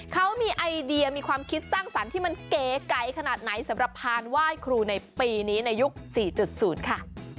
เขามีไอเดียมีความคิดสร้างสรรค์ที่มันเก๋ไก่ขนาดไหนสำหรับพานไหว้ครูในปีนี้ในยุค๔๐ค่ะ